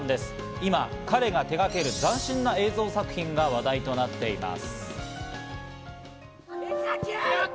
今、彼が手がける斬新な映像作品が話題となっています。